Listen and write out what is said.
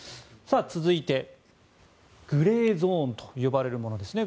続いて、グレーゾーンと呼ばれるものですね。